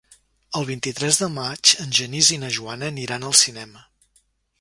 El vint-i-tres de maig en Genís i na Joana aniran al cinema.